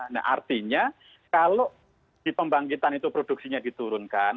nah artinya kalau di pembangkitan itu produksinya diturunkan